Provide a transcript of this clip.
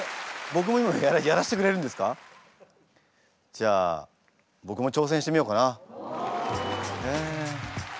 じゃあ僕も挑戦してみようかな。